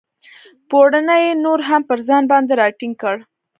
پوړنی یې نور هم پر ځان باندې را ټینګ کړ.